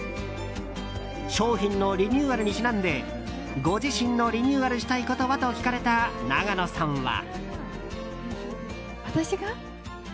商品のリニューアルにちなんでご自身のリニューアルしたいことは？と聞かれた永野さんは。